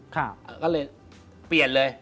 ก็เลยเปลี่ยนเลย